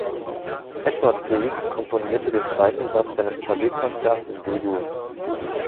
Edvard Grieg komponierte den zweiten Satz seines Klavierkonzerts in D-Dur.